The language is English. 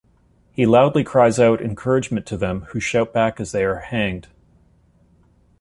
He loudly cries out encouragement to them, who shout back as they are hanged.